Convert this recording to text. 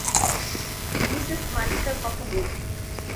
Mrs মালিকার কথা বলছি।